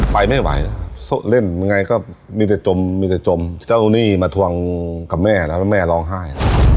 ไปไม่ไหวแล้วเล่นยังไงก็มีแต่จมมีแต่จมเจ้าหนี้มาทวงกับแม่แล้วแล้วแม่ร้องไห้